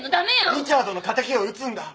リチャードの敵を討つんだ。